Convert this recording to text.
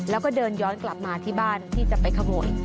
แล้วก็เดินย้อนกลับมาที่บ้านที่จะไปขโมย